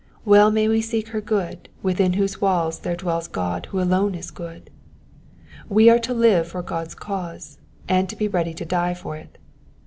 Well may we seek her good within whose walls there dwells God who alone is good. We are to live for God's cause, and to be ready to die for it.